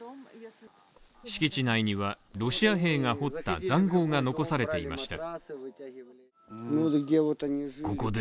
敷地内にはロシア兵が掘ったざんごうが残されていました。